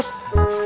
sip siap siap